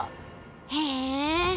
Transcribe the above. へえ。